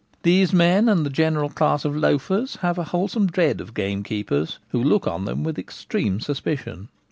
These men, and the general class of loafers, have a wholesome dread of gamekeepers, who look on them with extreme suspicion.